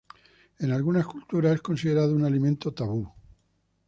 En algunas culturas es considerado un alimento tabú.